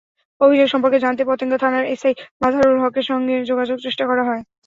অভিযোগ সম্পর্কে জানতে পতেঙ্গা থানার এসআই মাজহারুল হকের সঙ্গে যোগাযোগের চেষ্টা করা হয়।